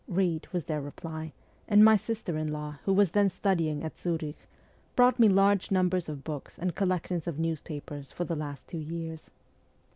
' Read,' was their reply, and my sister in law, who was then studying at Zurich, brought me large numbers of books and collections of newspapers for the last two years.